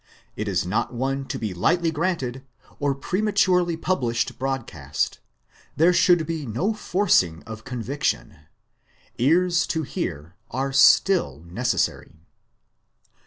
It is not one to be lightly granted or prematurely published broadcast. There should be no forcing of conviction. "Ears to hear" are still necessary.